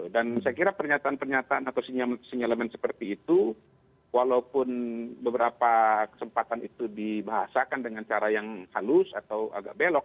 dan saya kira pernyataan pernyataan atau sinyalemen seperti itu walaupun beberapa kesempatan itu dibahasakan dengan cara yang halus atau agak belok